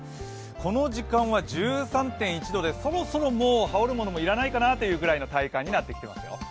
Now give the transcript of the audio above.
この時間は１３．１度で、そろそろもう羽織るものも要らないかなという体感になっていますよ。